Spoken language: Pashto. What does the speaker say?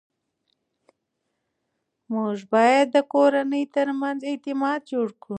موږ باید د کورنۍ ترمنځ اعتماد جوړ کړو